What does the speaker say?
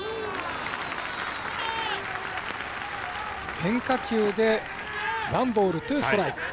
変化球でワンボールツーストライク。